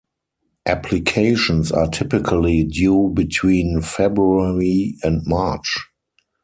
Applications are typically due between February and March.